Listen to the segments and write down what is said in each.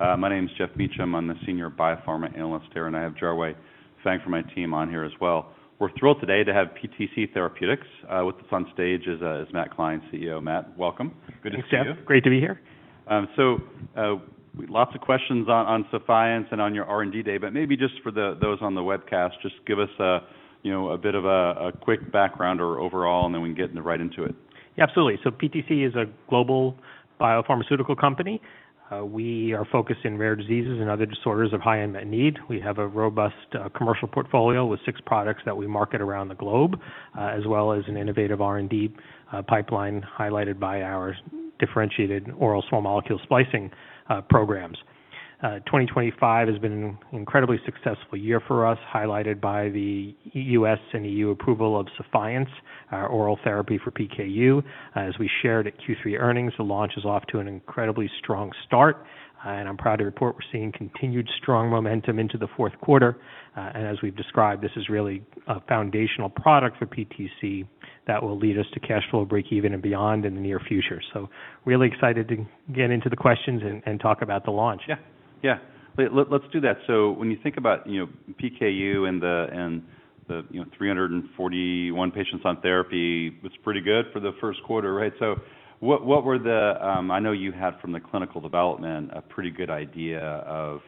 My name's Jeff Beach. I'm the senior biopharma analyst there, and I have Jar Wei Fang from my team on here as well. We're thrilled today to have PTC Therapeutics with us. On stage is Matt Klein, CEO. Matt, welcome. Good to see you. Thank you. Great to be here. Lots of questions on Translarna and on your R&D day, but maybe just for those on the webcast, just give us, you know, a bit of a quick background or overall, and then we can get right into it. Yeah, absolutely. So PTC is a global biopharmaceutical company. We are focused in rare diseases and other disorders of high unmet need. We have a robust commercial portfolio with six products that we market around the globe, as well as an innovative R&D pipeline highlighted by our differentiated oral small molecule splicing programs. 2025 has been an incredibly successful year for us, highlighted by the U.S. and EU approval of Sephience, our oral therapy for PKU. As we shared at Q3 earnings, the launch is off to an incredibly strong start, and I'm proud to report we're seeing continued strong momentum into the fourth quarter. And as we've described, this is really a foundational product for PTC that will lead us to cash flow break even and beyond in the near future. So really excited to get into the questions and, and talk about the launch. Yeah. Yeah. Let's do that. So when you think about, you know, PKU and the 341 patients on therapy, it's pretty good for the first quarter, right? So what were the, I know you had from the clinical development a pretty good idea of,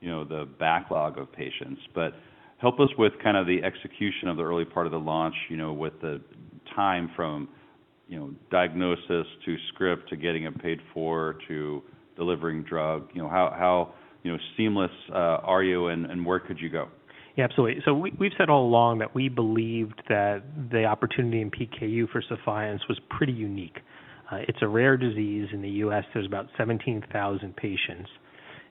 you know, the backlog of patients, but help us with kind of the execution of the early part of the launch, you know, with the time from, you know, diagnosis to script to getting it paid for to delivering drug. You know, how, you know, seamless are you and where could you go? Yeah, absolutely. So we, we've said all along that we believed that the opportunity in PKU for Sephience was pretty unique. It's a rare disease in the U.S., There's about 17,000 patients.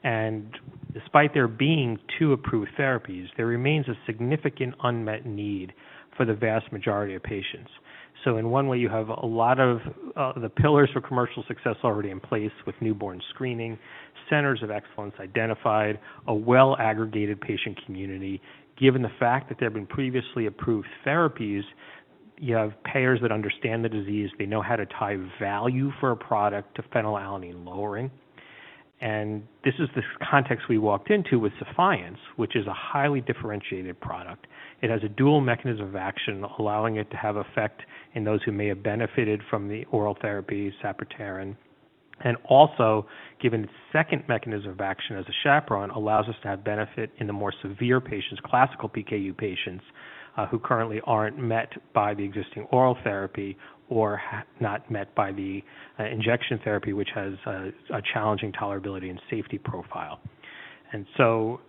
And despite there being two approved therapies, there remains a significant unmet need for the vast majority of patients. So in one way, you have a lot of, the pillars for commercial success already in place with newborn screening, centers of excellence identified, a well-aggregated patient community. Given the fact that there have been previously approved therapies, you have payers that understand the disease. They know how to tie value for a product to phenylalanine lowering. And this is the context we walked into with Sephience, which is a highly differentiated product. It has a dual mechanism of action, allowing it to have effect in those who may have benefited from the oral therapy, Sapropterin. And also, given its second mechanism of action as a chaperone, it allows us to have benefit in the more severe patients, classical PKU patients, who currently aren't met by the existing oral therapy or not met by the injection therapy, which has a challenging tolerability and safety profile. And so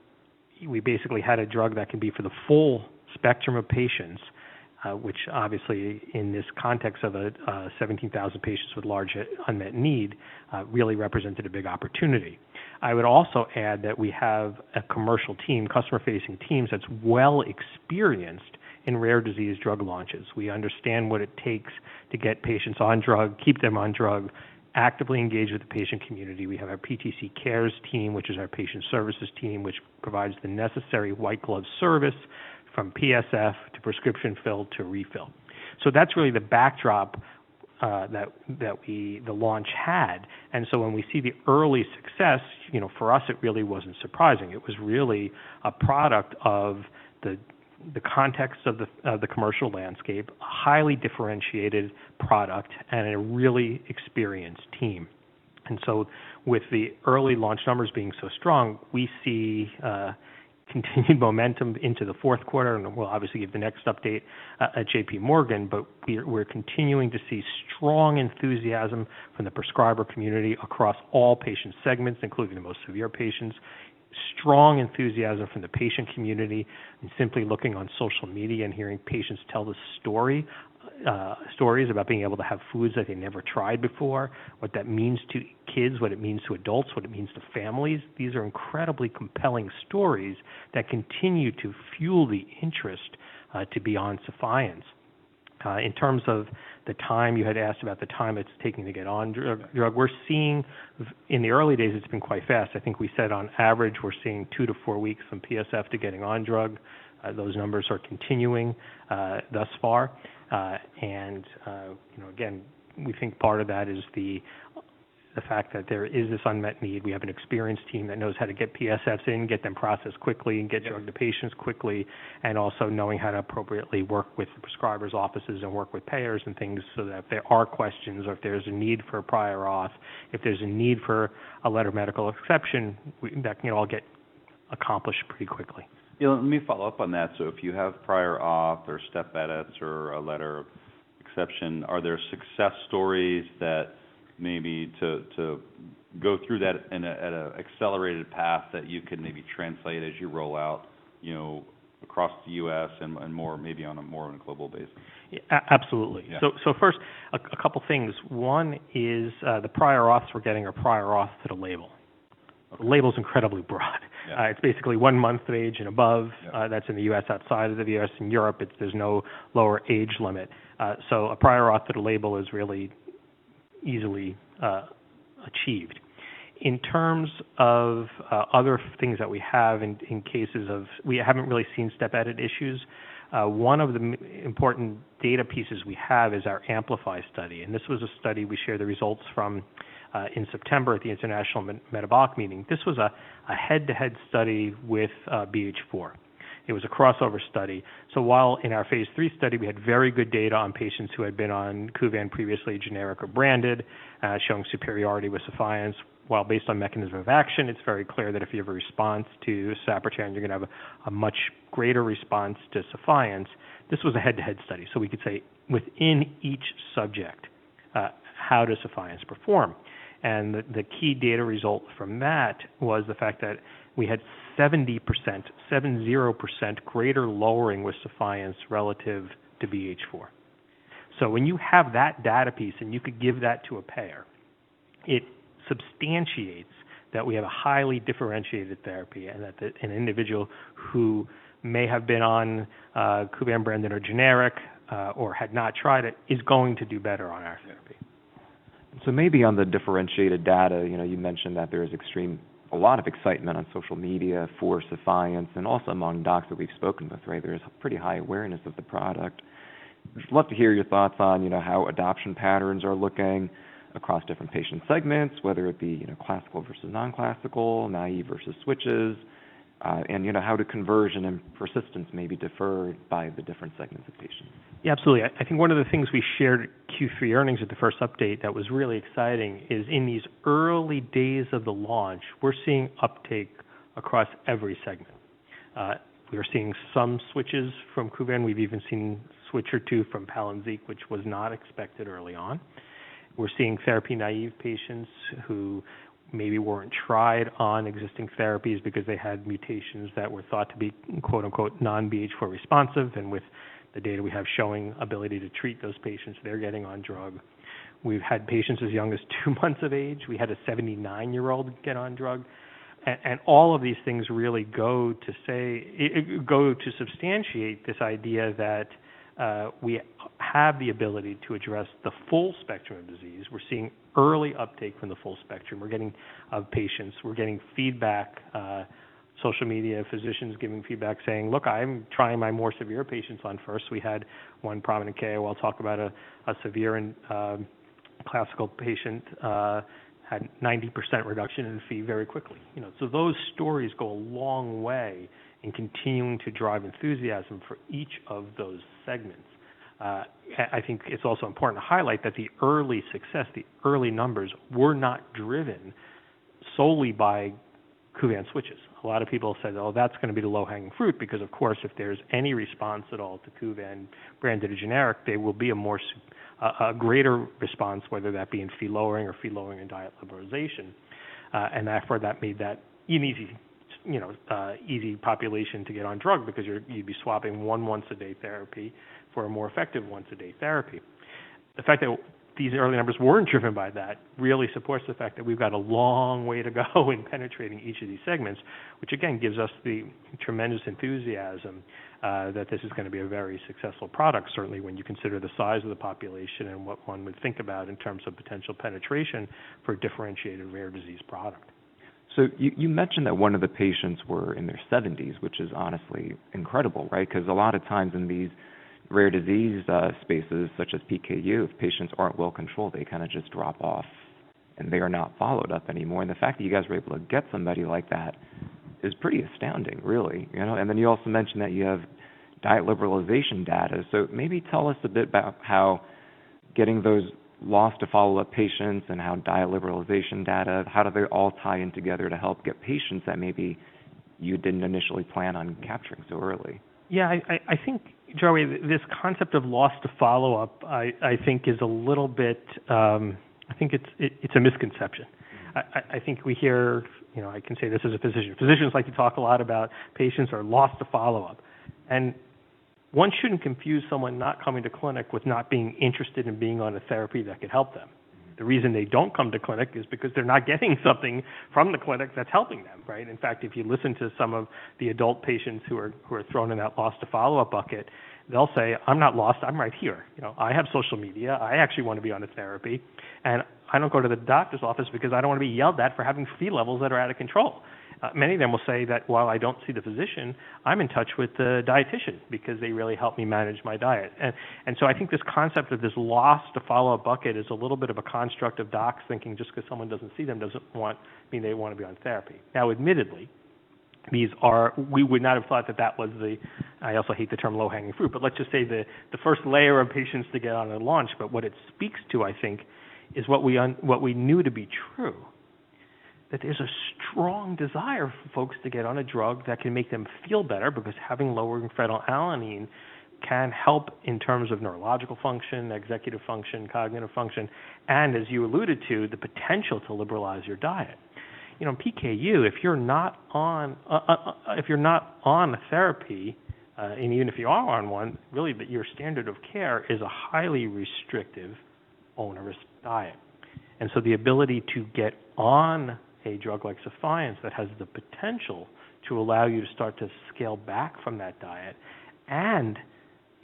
we basically had a drug that can be for the full spectrum of patients, which obviously in this context of 17,000 patients with large unmet need, really represented a big opportunity. I would also add that we have a commercial team, customer-facing teams that's well experienced in rare disease drug launches. We understand what it takes to get patients on drug, keep them on drug, actively engage with the patient community. We have a PTC Cares team, which is our patient services team, which provides the necessary white glove service from PSF to prescription fill to refill. That's really the backdrop that the launch had. And so when we see the early success, you know, for us, it really wasn't surprising. It was really a product of the context of the commercial landscape, a highly differentiated product, and a really experienced team. And so with the early launch numbers being so strong, we see continued momentum into the fourth quarter. And we'll obviously give the next update at J.P. Morgan, but we're continuing to see strong enthusiasm from the prescriber community across all patient segments, including the most severe patients. Strong enthusiasm from the patient community and simply looking on social media and hearing patients tell stories about being able to have foods that they never tried before, what that means to kids, what it means to adults, what it means to families. These are incredibly compelling stories that continue to fuel the interest to be on Sephience. In terms of the time, you had asked about the time it's taking to get on drug. We're seeing in the early days it's been quite fast. I think we said on average we're seeing two to four weeks from PSF to getting on drug. Those numbers are continuing thus far. You know, again, we think part of that is the fact that there is this unmet need. We have an experienced team that knows how to get PSFs in, get them processed quickly, get drug to patients quickly, and also knowing how to appropriately work with the prescribers' offices and work with payers and things so that if there are questions or if there's a need for a prior auth, if there's a need for a letter of medical exception, we that can all get accomplished pretty quickly. You know, let me follow up on that. So if you have prior auth or step edits or a letter of exception, are there success stories that maybe to go through that in an accelerated path that you can maybe translate as you roll out, you know, across the U.S. and more maybe on a more global basis? Yeah, a-absolutely. Yeah. First, a couple things. One is the prior auths for getting a prior auth to the label. Okay. The label's incredibly broad. Yeah. It's basically one month of age and above. Yeah. That's in the U.S., outside of the U.S., In Europe, it's. There's no lower age limit, so a prior auth to the label is really easily achieved. In terms of other things that we have in cases, we haven't really seen step edit issues. One of the important data pieces we have is our Amplify study. This was a study we shared the results from in September at the International PKU meeting. This was a head-to-head study with BH4. It was a crossover study. While in our phase III study, we had very good data on patients who had been on Kuvan previously, generic or branded, showing superiority with Sephience, while based on mechanism of action, it's very clear that if you have a response to Sapropterin, you're gonna have a much greater response to Sephience. This was a head-to-head study. So we could say within each subject, how does Sephience perform? And the key data result from that was the fact that we had 70% greater lowering with Sephience relative to BH4. So when you have that data piece and you could give that to a payer, it substantiates that we have a highly differentiated therapy and that than an individual who may have been on Kuvan branded or generic, or had not tried it is going to do better on our therapy. Maybe on the differentiated data, you know, you mentioned that there is extremely a lot of excitement on social media for Sephience and also among docs that we've spoken with, right? There is pretty high awareness of the product. I'd love to hear your thoughts on, you know, how adoption patterns are looking across different patient segments, whether it be, you know, classical versus non-classical, naive versus switches, and, you know, how do conversion and persistence maybe differ by the different segments of patients? Yeah, absolutely. I think one of the things we shared Q3 earnings at the first update that was really exciting is in these early days of the launch, we're seeing uptake across every segment. We are seeing some switches from Kuvan. We've even seen switch or two from Palynziq, which was not expected early on. We're seeing therapy naive patients who maybe weren't tried on existing therapies because they had mutations that were thought to be "non-BH4 responsive." And with the data we have showing ability to treat those patients, they're getting on drug. We've had patients as young as two months of age. We had a 79-year-old get on drug. And all of these things really go to say, go to substantiate this idea that we have the ability to address the full spectrum of disease. We're seeing early uptake from the full spectrum. We're getting a lot of patients. We're getting feedback, social media, physicians giving feedback saying, "Look, I'm trying my more severe patients on first." We had one prominent PKU. I'll talk about a severe and classical patient, had 90% reduction in Phe very quickly. You know, so those stories go a long way in continuing to drive enthusiasm for each of those segments. I think it's also important to highlight that the early success, the early numbers were not driven solely by Kuvan switches. A lot of people said, "Oh, that's gonna be the low-hanging fruit," because, of course, if there's any response at all to Kuvan branded or generic, there will be a more substantial, a greater response, whether that be in Phe lowering or Phe lowering and diet liberalization. And therefore that made that an easy, you know, easy population to get on drug because you'd be swapping one once-a-day therapy for a more effective once-a-day therapy. The fact that these early numbers weren't driven by that really supports the fact that we've got a long way to go in penetrating each of these segments, which again gives us the tremendous enthusiasm, that this is gonna be a very successful product, certainly when you consider the size of the population and what one would think about in terms of potential penetration for a differentiated rare disease product. So you mentioned that one of the patients were in their 70s, which is honestly incredible, right? 'Cause a lot of times in these rare disease spaces such as PKU, if patients aren't well controlled, they kind a just drop off and they are not followed up anymore. And the fact that you guys were able to get somebody like that is pretty astounding, really. You know, and then you also mentioned that you have diet liberalization data. So maybe tell us a bit about how getting those lost to follow-up patients and how diet liberalization data, how do they all tie in together to help get patients that maybe you didn't initially plan on capturing so early? Yeah, I think, Joey, this concept of lost to follow-up is a little bit. I think it's a misconception. I think we hear, you know. I can say this as a physician. Physicians like to talk a lot about patients are lost to follow-up. And one shouldn't confuse someone not coming to clinic with not being interested in being on a therapy that could help them. The reason they don't come to clinic is because they're not getting something from the clinic that's helping them, right? In fact, if you listen to some of the adult patients who are thrown in that lost to follow-up bucket, they'll say, "I'm not lost. I'm right here. You know, I have social media. I actually wanna be on a therapy. And I don't go to the doctor's office because I don't wanna be yelled at for having Phe levels that are out of control." Many of them will say that while I don't see the physician, I'm in touch with the dietician because they really help me manage my diet. And so I think this concept of this lost to follow-up bucket is a little bit of a construct of docs thinking just 'cause someone doesn't see them doesn't mean they wanna be on therapy. Now, admittedly, these are. We would not have thought that was the. I also hate the term low-hanging fruit, but let's just say the first layer of patients to get on a launch. But what it speaks to, I think, is what we knew to be true, that there's a strong desire for folks to get on a drug that can make them feel better because having lowering phenylalanine can help in terms of neurological function, executive function, cognitive function, and as you alluded to, the potential to liberalize your diet. You know, in PKU, if you're not on, if you're not on a therapy, and even if you are on one, really that your standard of care is a highly restrictive onerous diet. And so the ability to get on a drug like Sephience that has the potential to allow you to start to scale back from that diet and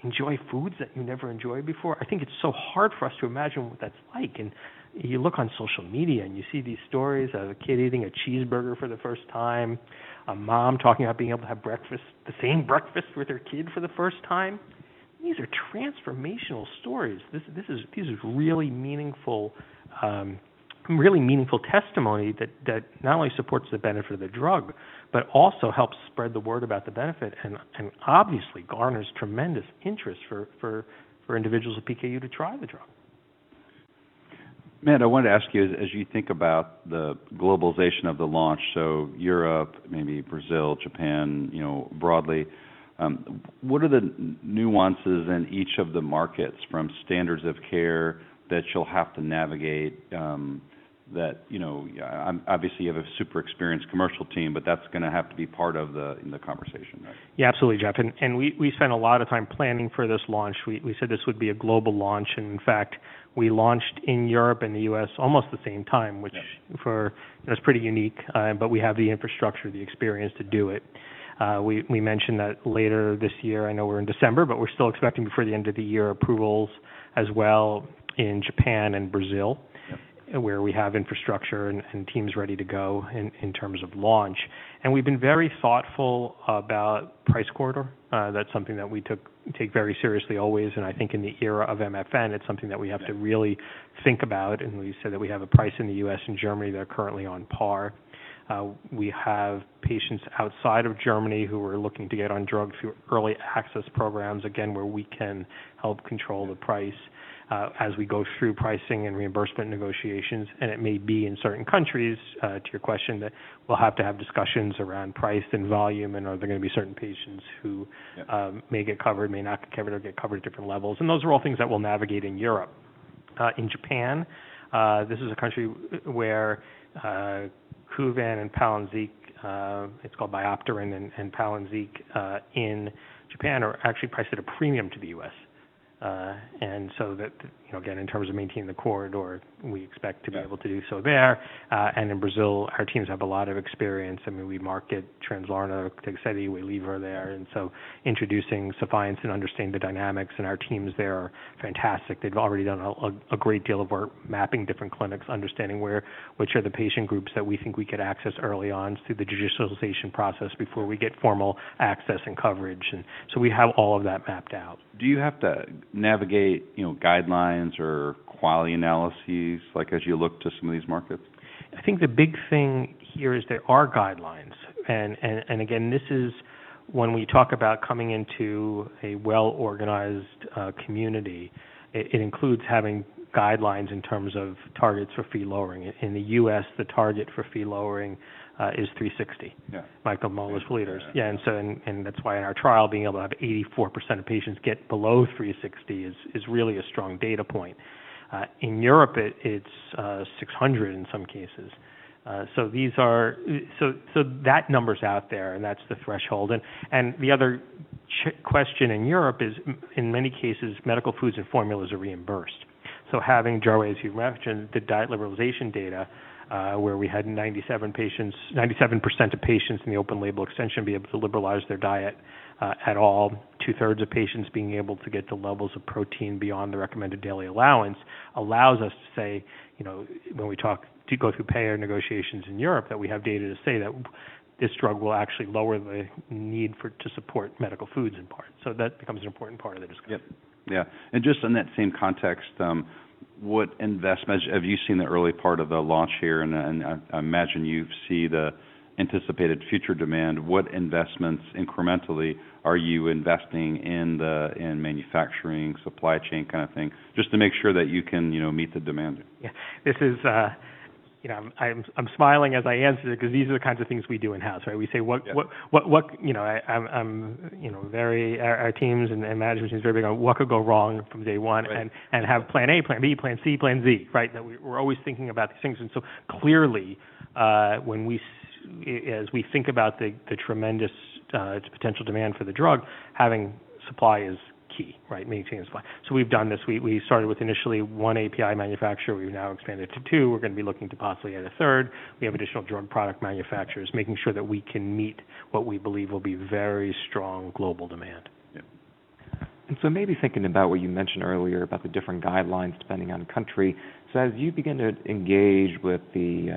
enjoy foods that you never enjoyed before, I think it's so hard for us to imagine what that's like. You look on social media and you see these stories of a kid eating a cheeseburger for the first time, a mom talking about being able to have breakfast, the same breakfast with her kid for the first time. These are transformational stories. These are really meaningful testimony that not only supports the benefit of the drug, but also helps spread the word about the benefit and obviously garners tremendous interest for individuals with PKU to try the drug. Matt, I wanted to ask you, as you think about the globalization of the launch, so Europe, maybe Brazil, Japan, you know, broadly, what are the nuances in each of the markets from standards of care that you'll have to navigate, that, you know, I'm obviously you have a super experienced commercial team, but that's gonna have to be part of the conversation, right? Yeah, absolutely, Jeff. We spent a lot of time planning for this launch. We said this would be a global launch. In fact, we launched in Europe and the U.S. almost at the same time, which. Yeah. For, you know, it's pretty unique. But we have the infrastructure, the experience to do it. We mentioned that later this year. I know we're in December, but we're still expecting before the end of the year approvals as well in Japan and Brazil. Yeah. Where we have infrastructure and teams ready to go in terms of launch. We've been very thoughtful about price corridor. That's something that we take very seriously always. I think in the era of MFN, it's something that we have to really think about. We said that we have a price in the U.S. and Germany that are currently on par. We have patients outside of Germany who are looking to get on drug through early access programs, again, where we can help control the price, as we go through pricing and reimbursement negotiations. It may be in certain countries, to your question, that we'll have to have discussions around price and volume and are there gonna be certain patients who. Yeah. may get covered, may not get covered or get covered at different levels. And those are all things that we'll navigate in Europe. In Japan, this is a country where Kuvan and Palynziq, it's called Biopterin and Palynziq, in Japan are actually priced at a premium to the US. And so that, you know, again, in terms of maintaining the corridor, we expect to be able to do so there. And in Brazil, our teams have a lot of experience. I mean, we market Translarna to SUS. We leverage there. And so introducing Sephience and understanding the dynamics and our teams there are fantastic. They've already done a great deal of work mapping different clinics, understanding where, which are the patient groups that we think we could access early on through the digitalization process before we get formal access and coverage. And so we have all of that mapped out. Do you have to navigate, you know, guidelines or quality analyses like as you look to some of these markets? I think the big thing here is there are guidelines, and again, this is when we talk about coming into a well-organized community. It includes having guidelines in terms of targets for Phe lowering. In the U.S., the target for Phe lowering is 360. Yeah. Micromoles per liter. Yeah. And so, that's why in our trial, being able to have 84% of patients get below 360 is really a strong data point. In Europe, it's 600 in some cases. So these are so that number's out there and that's the threshold. The other question in Europe is, in many cases, medical foods and formulas are reimbursed. So, having, Joey, as you mentioned, the diet liberalization data, where we had 97 patients, 97% of patients in the open-label extension be able to liberalize their diet, at all, two-thirds of patients being able to get the levels of protein beyond the recommended daily allowance allows us to say, you know, when we talk to go through payer negotiations in Europe, that we have data to say that this drug will actually lower the need for to support medical foods in part. So that becomes an important part of the discussion. Yep. Yeah. And just in that same context, what investments have you seen in the early part of the launch here, and I imagine you see the anticipated future demand. What investments incrementally are you investing in the manufacturing supply chain kind a thing just to make sure that you can, you know, meet the demand? Yeah. This is, you know, I'm smiling as I answer it 'cause these are the kinds of things we do in-house, right? We say, you know, our teams and management team is very big on what could go wrong from day one and have plan A, plan B, plan C, plan Z, right? That we're always thinking about these things. And so clearly, when, as we think about the tremendous potential demand for the drug, having supply is key, right? Maintaining supply. So we've done this. We started with initially one API manufacturer. We've now expanded to two. We're gonna be looking to possibly add a third. We have additional drug product manufacturers, making sure that we can meet what we believe will be very strong global demand. Yeah. And so maybe thinking about what you mentioned earlier about the different guidelines depending on country. So as you begin to engage with the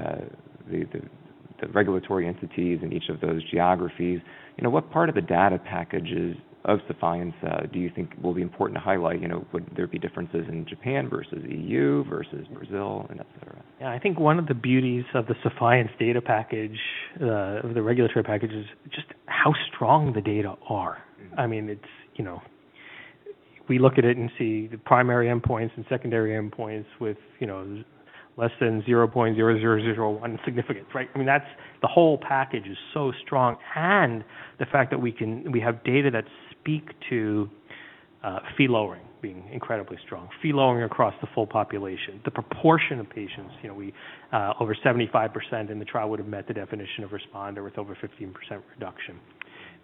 regulatory entities in each of those geographies, you know, what part of the data packages of Sephience do you think will be important to highlight? You know, would there be differences in Japan versus EU versus Brazil and et cetera? Yeah. I think one of the beauties of the Sephiencedata package, of the regulatory package is just how strong the data are. I mean, it's, you know, we look at it and see the primary endpoints and secondary endpoints with, you know, less than 0.0001 significance, right? I mean, that's the whole package is so strong. And the fact that we can, we have data that speak to, Phe lowering being incredibly strong, Phe lowering across the full population, the proportion of patients, you know, we, over 75% in the trial would've met the definition of responder with over 15% reduction.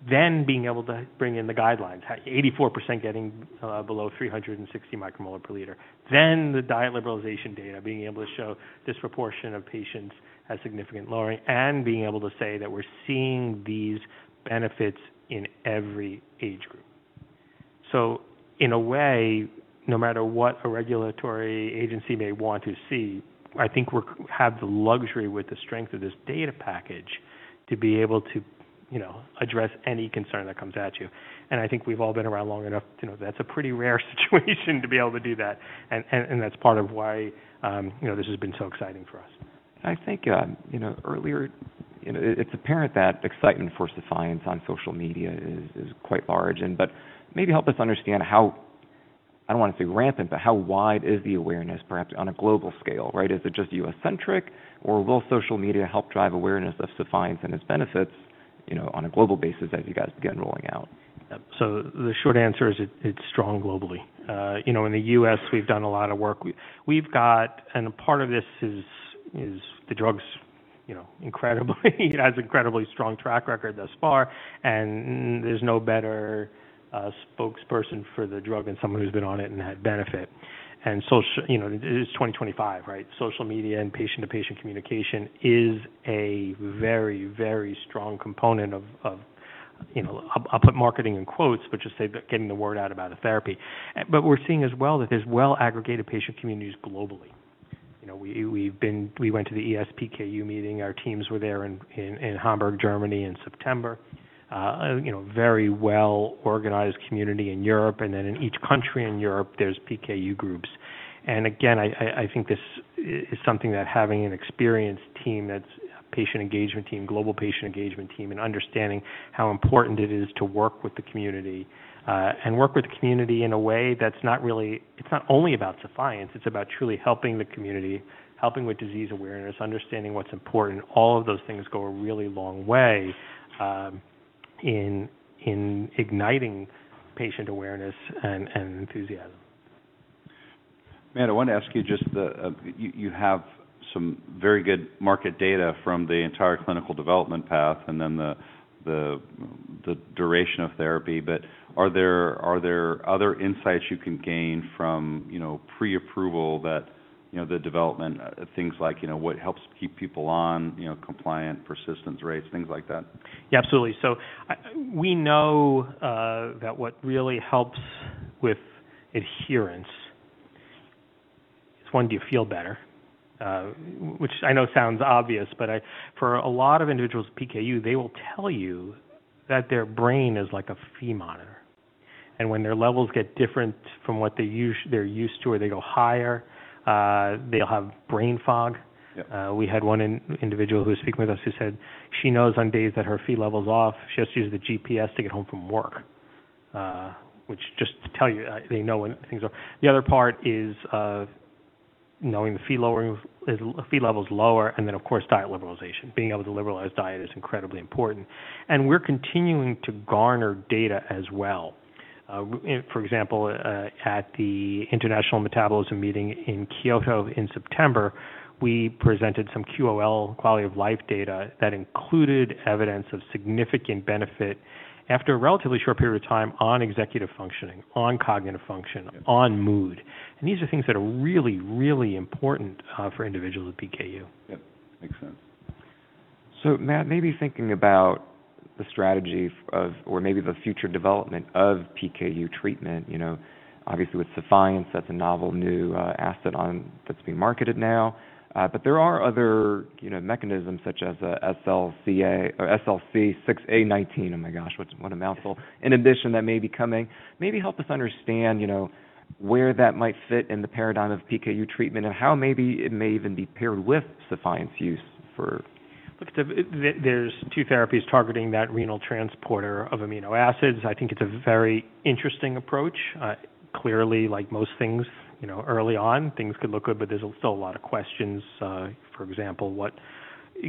Then being able to bring in the guidelines, 84% getting, below 360 micromoles per liter. Then the diet liberalization data being able to show a proportion of patients has significant lowering and being able to say that we're seeing these benefits in every age group. So in a way, no matter what a regulatory agency may want to see, I think we have the luxury with the strength of this data package to be able to, you know, address any concern that comes at you. And I think we've all been around long enough, you know, that's a pretty rare situation to be able to do that. And that's part of why, you know, this has been so exciting for us. I think, you know, earlier, you know, it's apparent that excitement for Sephience on social media is quite large. But maybe help us understand how, I don't wanna say rampant, but how wide is the awareness perhaps on a global scale, right? Is it just U.S.-centric or will social media help drive awareness of Sephience and its benefits, you know, on a global basis as you guys begin rolling out? The short answer is it's strong globally, you know, in the U.S., We've done a lot of work. We've got, and part of this is the drug's, you know, has an incredibly strong track record thus far. And there's no better spokesperson for the drug than someone who's been on it and had benefit. And, you know, it's 2025, right? Social media and patient-to-patient communication is a very, very strong component of, you know, I'll put marketing in quotes, but just say that getting the word out about a therapy. But we're seeing as well that there's well-aggregated patient communities globally. You know, we went to the ESPKU meeting. Our teams were there in Hamburg, Germany in September, you know, very well-organized community in Europe. And then in each country in Europe, there's PKU groups. Again, I think this is something that having an experienced team that's a patient engagement team, global patient engagement team, and understanding how important it is to work with the community, and work with the community in a way that's not really. It's not only about Sephience. It's about truly helping the community, helping with disease awareness, understanding what's important. All of those things go a really long way in igniting patient awareness and enthusiasm. Matt, I wanna ask you just the, you have some very good market data from the entire clinical development path and then the duration of therapy. But are there other insights you can gain from, you know, pre-approval that, you know, the development, things like, you know, what helps keep people on, you know, compliant persistence rates, things like that? Yeah, absolutely. So we know that what really helps with adherence is when you feel better, which I know sounds obvious, but for a lot of individuals with PKU, they will tell you that their brain is like a Phe monitor, and when their levels get different from what they usually are used to or they go higher, they'll have brain fog. Yep. We had one individual who was speaking with us who said she knows on days that her Phe level's off, she has to use the GPS to get home from work, which just to tell you, they know when things are. The other part is, knowing the Phe lowering is Phe level's lower. And then, of course, diet liberalization. Being able to liberalize diet is incredibly important. And we're continuing to garner data as well. For example, at the International Metabolism Meeting in Kyoto in September, we presented some QOL quality of life data that included evidence of significant benefit after a relatively short period of time on executive functioning, on cognitive function, on mood. And these are things that are really, really important, for individuals with PKU. Yep. Makes sense. So Matt, maybe thinking about the strategy of, or maybe the future development of PKU treatment, you know, obviously with Sephience, that's a novel new asset that's being marketed now. But there are other, you know, mechanisms such as SLC6A19. Oh my gosh, what a mouthful. In addition, that may be coming. Maybe help us understand, you know, where that might fit in the paradigm of PKU treatment and how maybe it may even be paired with Sephience use for. Look, there's two therapies targeting that renal transporter of amino acids. I think it's a very interesting approach. Clearly, like most things, you know, early on, things could look good, but there's still a lot of questions. For example, what,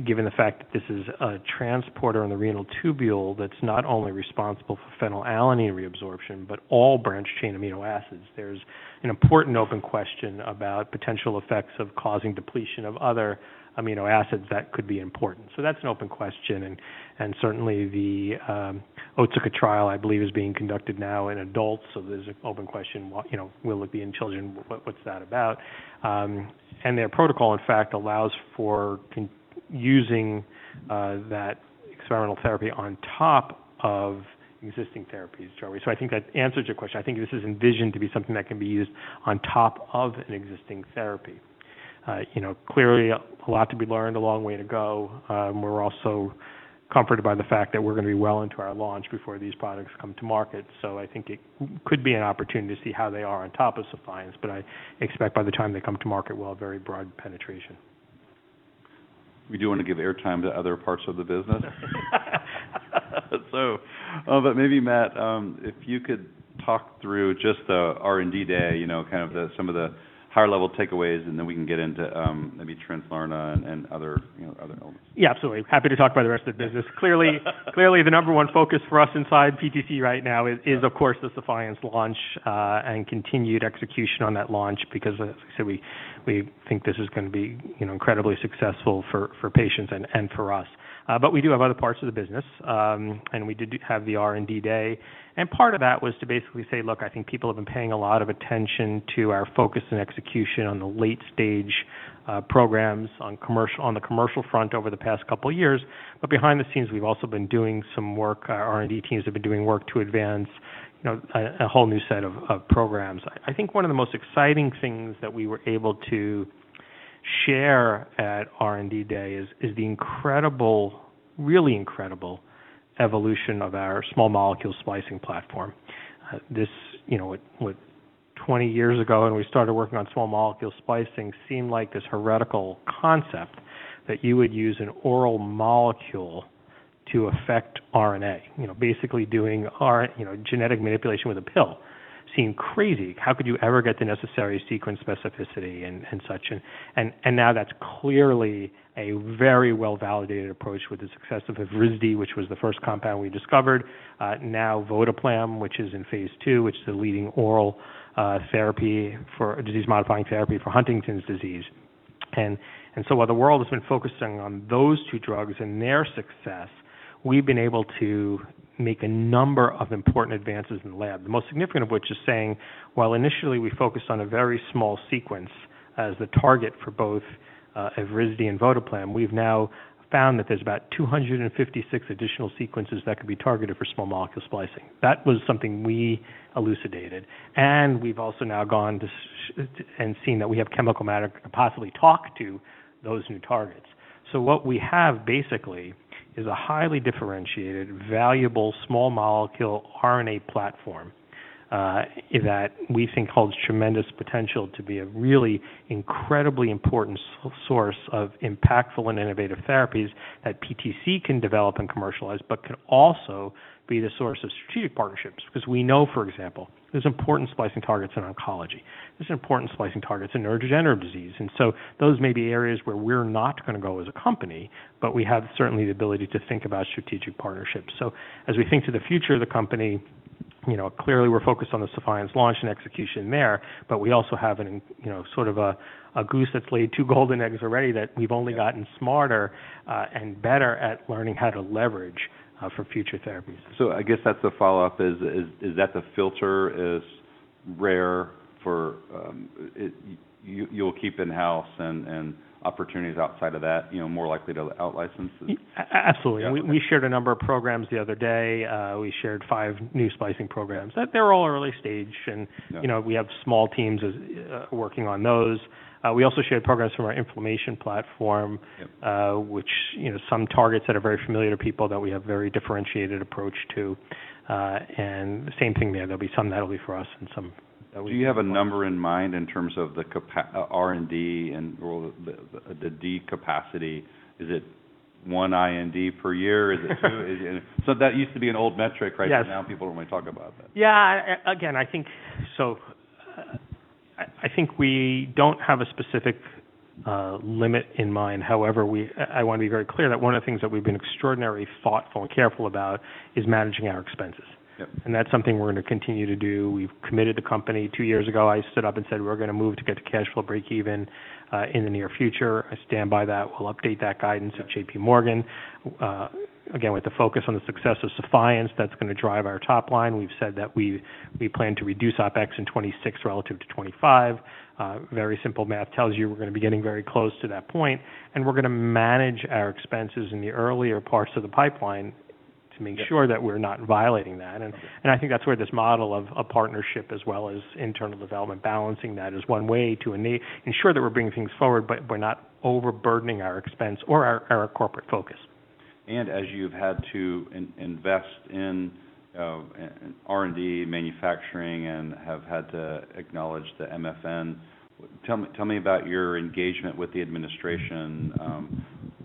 given the fact that this is a transporter in the renal tubule that's not only responsible for phenylalanine reabsorption, but all branched chain amino acids, there's an important open question about potential effects of causing depletion of other amino acids that could be important. So that's an open question. And certainly the Otsuka trial, I believe, is being conducted now in adults. So there's an open question, what, you know, will it be in children? What, what's that about? And their protocol, in fact, allows for using that experimental therapy on top of existing therapies, Joey. So I think that answers your question. I think this is envisioned to be something that can be used on top of an existing therapy. You know, clearly a lot to be learned, a long way to go. We're also comforted by the fact that we're gonna be well into our launch before these products come to market. So I think it could be an opportunity to see how they are on top of Sephience, but I expect by the time they come to market, we'll have very broad penetration. We do wanna give airtime to other parts of the business. So, but maybe Matt, if you could talk through just the R&D day, you know, kind of some of the higher level takeaways, and then we can get into, maybe Translarna and other, you know, other elements. Yeah, absolutely. Happy to talk about the rest of the business. Clearly, clearly the number one focus for us inside PTC right now is of course the Sephience launch, and continued execution on that launch because, as I said, we think this is gonna be, you know, incredibly successful for patients and for us, but we do have other parts of the business, and we did have the R&D day, and part of that was to basically say, look, I think people have been paying a lot of attention to our focus and execution on the late stage programs on commercial, on the commercial front over the past couple of years, but behind the scenes, we've also been doing some work. Our R&D teams have been doing work to advance, you know, a whole new set of programs. I think one of the most exciting things that we were able to share at R&D day is the incredible, really incredible evolution of our small molecule splicing platform. This, you know, what 20 years ago when we started working on small molecule splicing seemed like this heretical concept that you would use an oral molecule to affect RNA, you know, basically doing genetic manipulation with a pill seemed crazy. How could you ever get the necessary sequence specificity and now that's clearly a very well-validated approach with the success of Evrysdi, which was the first compound we discovered. Now branaplam, which is in phase II, which is the leading oral therapy for disease-modifying therapy for Huntington's disease. And so while the world has been focusing on those two drugs and their success, we've been able to make a number of important advances in the lab, the most significant of which is saying while initially we focused on a very small sequence as the target for both, Evrysdi and branaplam, we've now found that there's about 256 additional sequences that could be targeted for small molecule splicing. That was something we elucidated. And we've also now gone to s and seen that we have chemical matter to possibly talk to those new targets. What we have basically is a highly differentiated, valuable small molecule RNA platform, that we think holds tremendous potential to be a really incredibly important source of impactful and innovative therapies that PTC can develop and commercialize, but can also be the source of strategic partnerships 'cause we know, for example, there's important splicing targets in oncology. There's important splicing targets in neurodegenerative disease. And so those may be areas where we're not gonna go as a company, but we have certainly the ability to think about strategic partnerships. As we think to the future of the company, you know, clearly we're focused on the Sephience launch and execution there, but we also have, you know, sort of a goose that's laid two golden eggs already that we've only gotten smarter, and better at learning how to leverage, for future therapies. So I guess that's the follow-up is that the filter is rare for it. You'll keep in-house and opportunities outside of that, you know, more likely to out-license it? Absolutely. We shared a number of programs the other day. We shared five new splicing programs that they're all early stage. You know, we have small teams working on those. We also shared programs from our inflammation platform, which, you know, some targets that are very familiar to people that we have very differentiated approach to. Same thing there. There'll be some that'll be for us and some that we'll be. Do you have a number in mind in terms of the CapEx R&D and/or the R&D capacity? Is it one IND per year? Is it two? Is it? So that used to be an old metric, right? Yes. But now people don't really talk about that. Yeah. Again, I think so. I think we don't have a specific limit in mind. However, we wanna be very clear that one of the things that we've been extraordinarily thoughtful and careful about is managing our expenses. Yep. That's something we're gonna continue to do. We've committed the company. Two years ago, I stood up and said we're gonna move to get to cash flow break-even in the near future. I stand by that. We'll update that guidance at J.P. Morgan. Again, with the focus on the success of Sephience, that's gonna drive our top line. We've said that we plan to reduce OpEx in 2026 relative to 2025. Very simple math tells you we're gonna be getting very close to that point. We're gonna manage our expenses in the earlier parts of the pipeline to make sure that we're not violating that. I think that's where this model of partnership as well as internal development balancing that is one way to ensure that we're bringing things forward, but we're not overburdening our expense or our corporate focus. As you've had to invest in R&D manufacturing and have had to acknowledge the MFN, tell me about your engagement with the administration,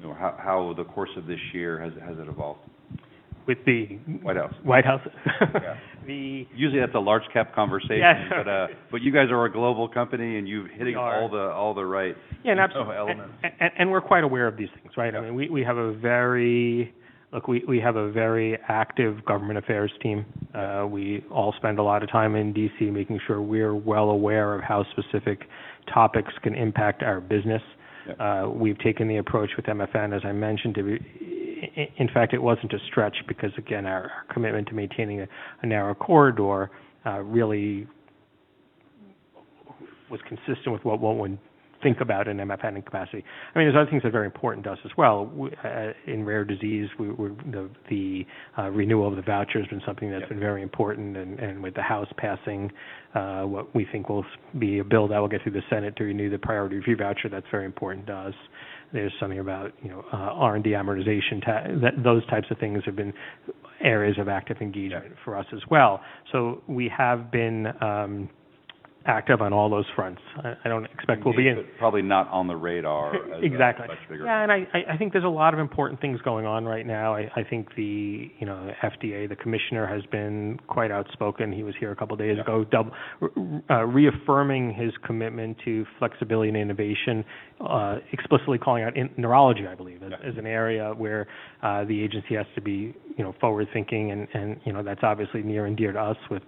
you know, how the course of this year has it evolved? With the White House. White House. Yeah. The. Usually that's a large cap conversation. Yes. You guys are a global company and you're hitting all the right. Yeah, and absolutely. Elements. We're quite aware of these things, right? I mean, we have a very active government affairs team. We all spend a lot of time in DC making sure we're well aware of how specific topics can impact our business. Yep. We've taken the approach with MFN, as I mentioned, in fact, it wasn't a stretch because, again, our commitment to maintaining a narrow corridor really was consistent with what one would think about an MFN in capacity. I mean, there's other things that are very important to us as well. In rare disease, the renewal of the voucher has been something that's been very important. And with the House passing what we think will be a bill that will get through the Senate to renew the priority review voucher, that's very important to us. There's something about, you know, R&D amortization that those types of things have been areas of active engagement for us as well. So we have been active on all those fronts. I don't expect we'll be in. Probably not on the radar as much. Exactly. Much bigger. Yeah, and I think there's a lot of important things going on right now. I think, you know, the FDA commissioner has been quite outspoken. He was here a couple of days ago, reaffirming his commitment to flexibility and innovation, explicitly calling out neurology, I believe, as an area where the agency has to be, you know, forward-thinking. And you know, that's obviously near and dear to us with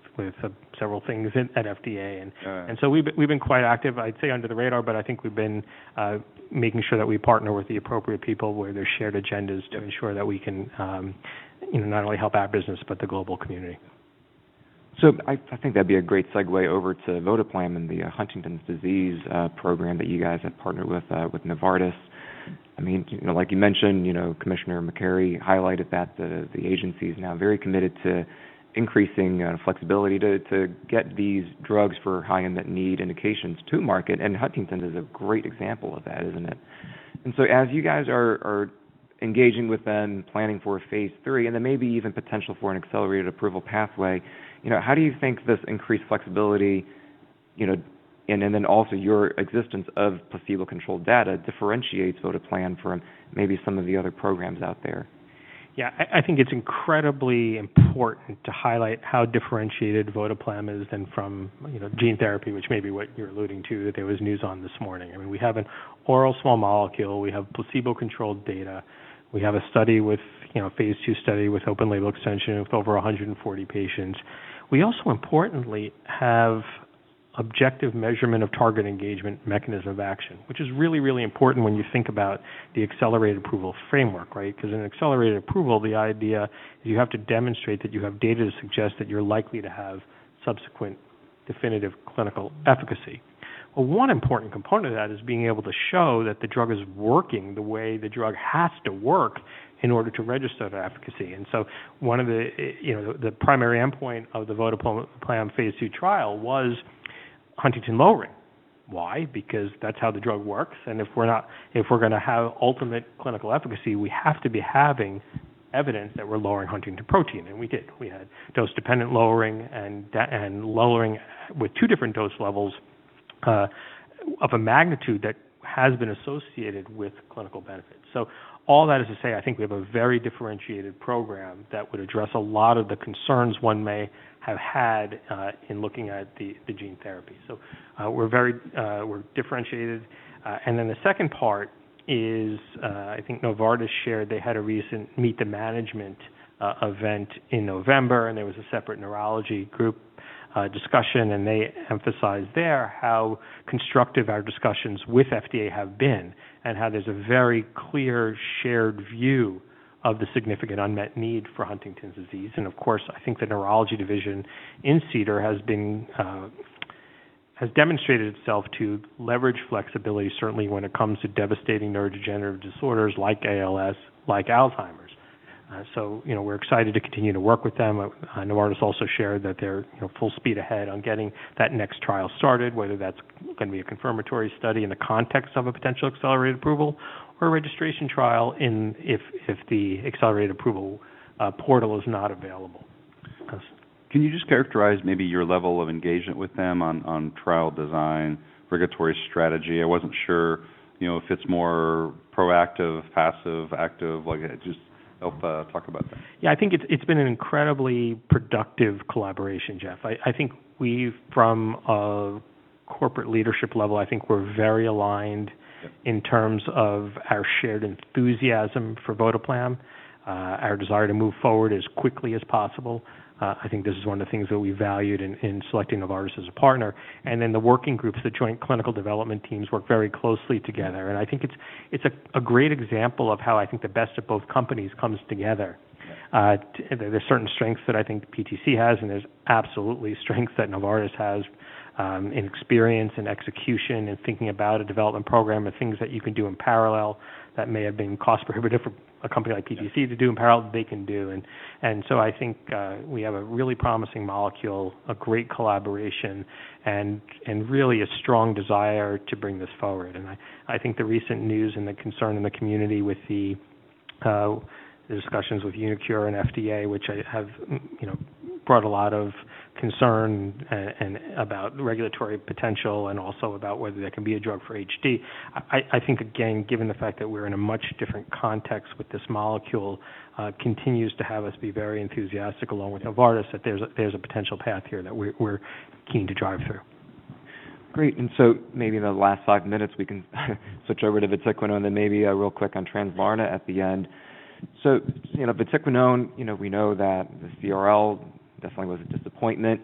several things at FDA. And so we've been quite active, I'd say under the radar, but I think we've been making sure that we partner with the appropriate people where there's shared agendas to ensure that we can, you know, not only help our business, but the global community. I think that'd be a great segue over to Votoplam and the Huntington's disease program that you guys have partnered with Novartis. I mean, you know, like you mentioned, you know, Commissioner Makary highlighted that the agency is now very committed to increasing flexibility to get these drugs for high unmet need indications to market. Huntington's is a great example of that, isn't it? As you guys are engaging with them, planning for phase III, and there may be even potential for an accelerated approval pathway, you know, how do you think this increased flexibility, you know, and then also your existence of placebo-controlled data differentiates Votoplam from maybe some of the other programs out there? Yeah. I think it's incredibly important to highlight how differentiated Votoplam is then from, you know, gene therapy, which may be what you're alluding to that there was news on this morning. I mean, we have an oral small molecule. We have placebo-controlled data. We have a study with, you know, phase II study with open label extension with over 140 patients. We also importantly have objective measurement of target engagement mechanism of action, which is really, really important when you think about the accelerated approval framework, right? 'Cause in accelerated approval, the idea is you have to demonstrate that you have data to suggest that you're likely to have subsequent definitive clinical efficacy. Well, one important component of that is being able to show that the drug is working the way the drug has to work in order to register that efficacy. One of the, you know, the primary endpoint of the Votoplam phase II trial was Huntington lowering. Why? Because that's how the drug works. If we're not, if we're gonna have ultimate clinical efficacy, we have to be having evidence that we're lowering Huntington protein. We did. We had dose-dependent lowering and lowering with two different dose levels, of a magnitude that has been associated with clinical benefits. All that is to say, I think we have a very differentiated program that would address a lot of the concerns one may have had, in looking at the gene therapy. We're very differentiated. Then the second part is, I think Novartis shared they had a recent meet-the-management event in November, and there was a separate neurology group discussion. And they emphasized there how constructive our discussions with FDA have been and how there's a very clear shared view of the significant unmet need for Huntington's disease. And of course, I think the neurology division in Cedar has been, has demonstrated itself to leverage flexibility, certainly when it comes to devastating neurodegenerative disorders like ALS, like Alzheimer's. So, you know, we're excited to continue to work with them. Novartis also shared that they're, you know, full speed ahead on getting that next trial started, whether that's gonna be a confirmatory study in the context of a potential accelerated approval or a registration trial in if, if the accelerated approval portal is not available. Can you just characterize maybe your level of engagement with them on trial design, regulatory strategy? I wasn't sure, you know, if it's more proactive, passive, active. Like, just help, talk about that. Yeah. I think it's been an incredibly productive collaboration, Jeff. I think we from a corporate leadership level, I think we're very aligned in terms of our shared enthusiasm for Votoplam, our desire to move forward as quickly as possible. I think this is one of the things that we valued in selecting Novartis as a partner. And then the working groups, the joint clinical development teams work very closely together. And I think it's a great example of how I think the best of both companies comes together. There's certain strengths that I think PTC has, and there's absolutely strengths that Novartis has, in experience and execution and thinking about a development program and things that you can do in parallel that may have been cost prohibitive for a company like PTC to do in parallel, they can do. And so I think we have a really promising molecule, a great collaboration, and really a strong desire to bring this forward. I think the recent news and the concern in the community with the discussions with uniQure and FDA, which have, you know, brought a lot of concern and about regulatory potential and also about whether there can be a drug for HD. I think, again, given the fact that we're in a much different context with this molecule, continues to have us be very enthusiastic along with Novartis that there's a potential path here that we're keen to drive through. Great. And so maybe in the last five minutes, we can switch over to vatiquinone and then maybe a real quick on Translarna at the end. So, you know, vatiquinone, you know, we know that the CRL definitely was a disappointment.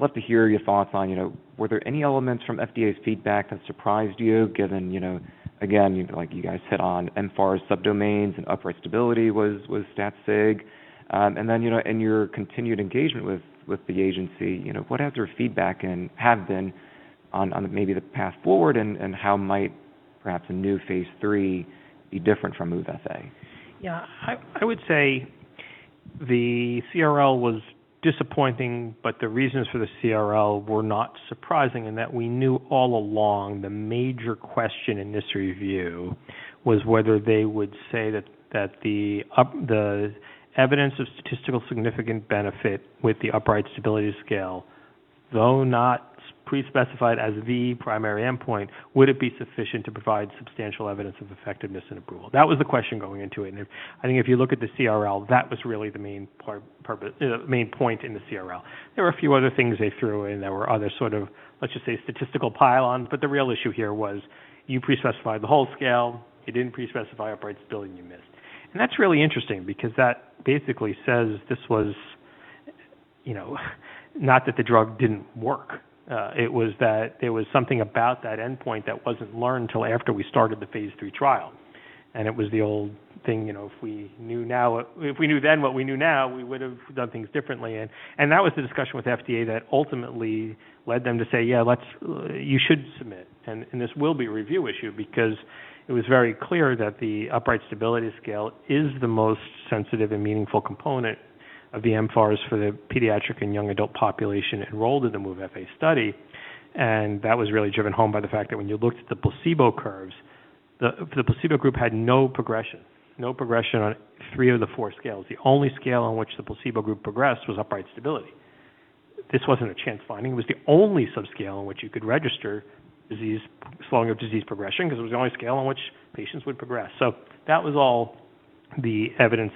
Love to hear your thoughts on, you know, were there any elements from FDA's feedback that surprised you given, you know, again, like you guys hit on mFARS's subdomains and upright stability was stat sig. And then, you know, in your continued engagement with the agency, you know, what has your feedback been on, on maybe the path forward and, and how might perhaps a new phase III be different from MOVE-FA? Yeah. I would say the CRL was disappointing, but the reasons for the CRL were not surprising in that we knew all along the major question in this review was whether they would say that the evidence of statistically significant benefit with the upright stability scale, though not pre-specified as the primary endpoint, would it be sufficient to provide substantial evidence of effectiveness and approval? That was the question going into it. And if I think if you look at the CRL, that was really the main part purpose, you know, main point in the CRL. There were a few other things they threw in that were other sort of, let's just say, statistical pile on. But the real issue here was you pre-specified the whole scale. You didn't pre-specify upright stability. You missed. That's really interesting because that basically says this was, you know, not that the drug didn't work. It was that there was something about that endpoint that wasn't learned until after we started the phase III trial. That was the discussion with FDA that ultimately led them to say, "Yeah, let's, you should submit." This will be a review issue because it was very clear that the upright stability scale is the most sensitive and meaningful component of the mFARS for the pediatric and young adult population enrolled in the MOVE-FA study. That was really driven home by the fact that when you looked at the placebo curves, the placebo group had no progression, no progression on three of the four scales. The only scale on which the placebo group progressed was upright stability. This wasn't a chance finding. It was the only subscale in which you could register disease slowing of disease progression 'cause it was the only scale on which patients would progress. So that was all the evidence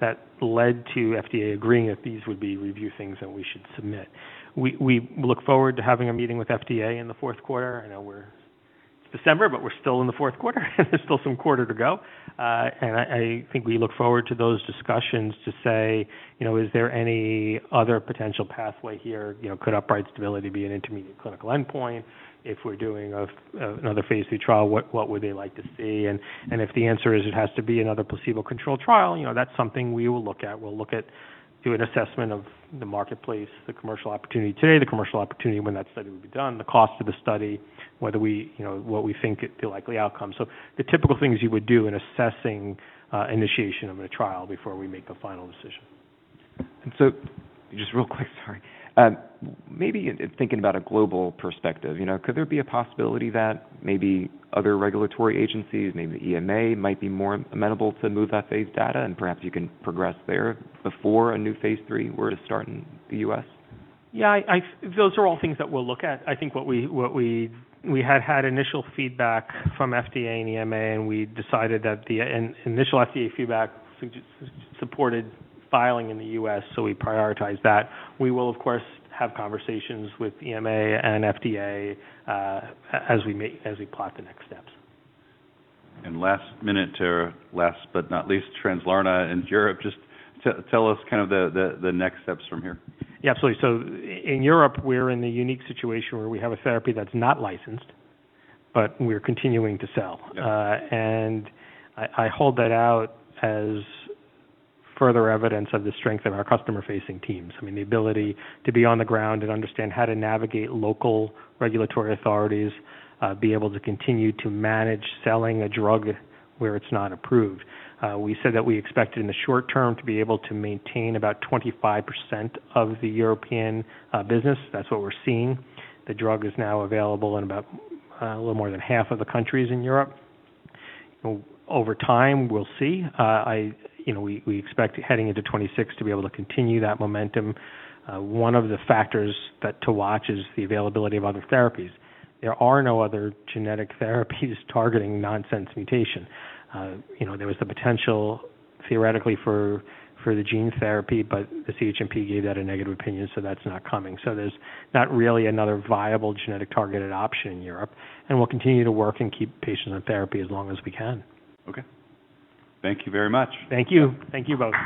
that led to FDA agreeing that these would be review things that we should submit. We look forward to having a meeting with FDA in the fourth quarter. I know we're December, but we're still in the fourth quarter. There's still some quarter to go. I think we look forward to those discussions to say, you know, is there any other potential pathway here? You know, could upright stability be an intermediate clinical endpoint? If we're doing another phase III trial, what would they like to see? And if the answer is it has to be another placebo-controlled trial, you know, that's something we will look at. We'll look at do an assessment of the marketplace, the commercial opportunity today, the commercial opportunity when that study will be done, the cost of the study, whether we, you know, what we think the likely outcome. So the typical things you would do in assessing initiation of a trial before we make a final decision. And so just real quick, sorry. Maybe thinking about a global perspective, you know, could there be a possibility that maybe other regulatory agencies, maybe the EMA might be more amenable to MOVE-FA's data and perhaps you can progress there before a new phase III were to start in the U.S.? Yeah. I those are all things that we'll look at. I think what we had initial feedback from FDA and EMA, and we decided that the initial FDA feedback supported filing in the U.S., so we prioritized that. We will, of course, have conversations with EMA and FDA, as we plot the next steps. Last minute or last but not least, Translarna and Europe, just tell us kind of the next steps from here. Yeah. Absolutely. So in Europe, we're in the unique situation where we have a therapy that's not licensed, but we're continuing to sell. And I, I hold that out as further evidence of the strength of our customer-facing teams. I mean, the ability to be on the ground and understand how to navigate local regulatory authorities, be able to continue to manage selling a drug where it's not approved. We said that we expected in the short term to be able to maintain about 25% of the European business. That's what we're seeing. The drug is now available in about a little more than half of the countries in Europe. Over time, we'll see. I, you know, we, we expect heading into 2026 to be able to continue that momentum. One of the factors that to watch is the availability of other therapies. There are no other genetic therapies targeting nonsense mutation. You know, there was the potential theoretically for, for the gene therapy, but the CHMP gave that a negative opinion, so that's not coming. So there's not really another viable genetic targeted option in Europe. And we'll continue to work and keep patients on therapy as long as we can. Okay. Thank you very much. Thank you. Thank you both.